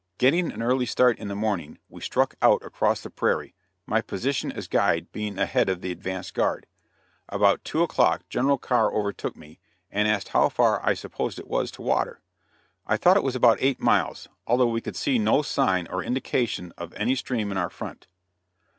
Getting an early start in the morning, we struck out across the prairie, my position as guide being ahead of the advance guard. About two o'clock General Carr overtook me, and asked how far I supposed it was to water. I thought it was about eight miles, although we could see no sign or indication of any stream in our front.